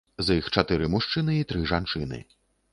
З іх чатыры мужчыны і тры жанчыны.